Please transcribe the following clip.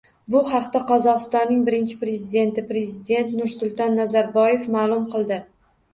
Bu haqda Qozog'istonning Birinchi Prezidenti - Prezident Nursulton Nazarboyev ma'lum qildi